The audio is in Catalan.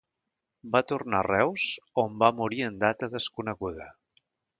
Va tornar a Reus, on va morir en data desconeguda.